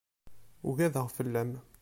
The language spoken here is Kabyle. Ugadeɣ fell-am.